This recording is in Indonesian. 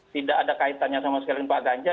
tidak ada kaitannya sama sekali dengan pak ganjar